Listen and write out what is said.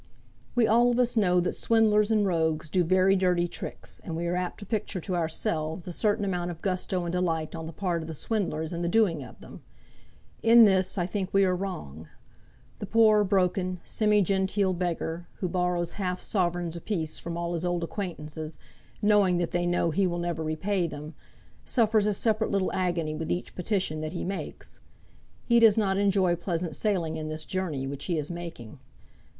We all of us know that swindlers and rogues do very dirty tricks, and we are apt to picture to ourselves a certain amount of gusto and delight on the part of the swindlers in the doing of them. In this, I think we are wrong. The poor, broken, semi genteel beggar, who borrows half sovereigns apiece from all his old acquaintances, knowing that they know that he will never repay them, suffers a separate little agony with each petition that he makes. He does not enjoy pleasant sailing in this journey which he is making.